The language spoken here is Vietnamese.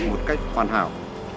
một cách hoàn hảo